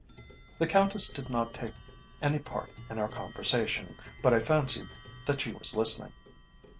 The Countess did not take any part in our conversation, but I fancied that she was listening.